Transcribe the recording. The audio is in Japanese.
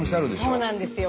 そうなんですよ。